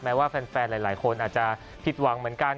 ว่าแฟนหลายคนอาจจะผิดหวังเหมือนกัน